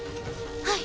はい。